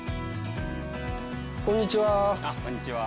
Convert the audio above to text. こんにちは。